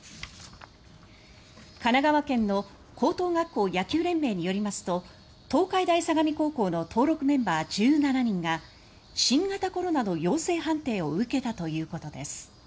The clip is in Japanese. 神奈川県の高等学校野球連盟によりますと東海大相模高校の登録メンバー１７人が新型コロナの陽性判定を受けたということです。